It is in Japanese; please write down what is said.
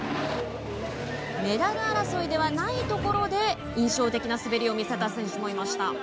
メダル争いではないところで印象的な滑りを見せた選手もいました。